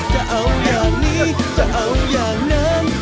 จะเอาอย่างนี้จะเอาอย่างนั้น